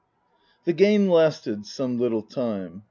The game lasted some little time.